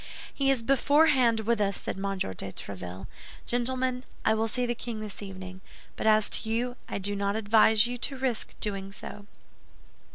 '" "He is beforehand with us," said M. de Tréville. "Gentlemen, I will see the king this evening; but as to you, I do not advise you to risk doing so."